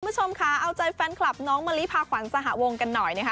คุณผู้ชมค่ะเอาใจแฟนคลับน้องมะลิพาขวัญสหวงกันหน่อยนะคะ